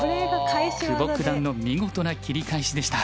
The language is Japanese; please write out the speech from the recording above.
久保九段の見事な切り返しでした。